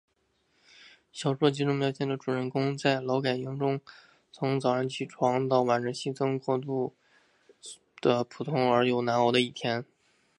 小说集中描写了主人公在劳改营中从早上起床到晚上熄灯所度过的普通而又难熬的一天。